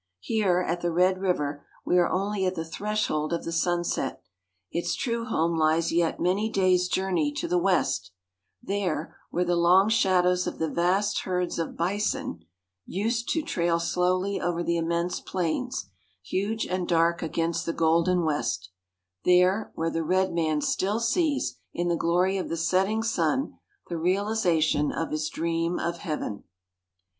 Here, at the Red River, we are only at the threshold of the sunset; its true home lies yet many days' journey to the west there, where the long shadows of the vast herds of bison (used to) trail slowly over the immense plains, huge and dark against the golden west there, where the red man still sees, in the glory of the setting sun, the realization of his dream of heaven.